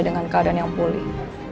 dengan keadaan yang pulih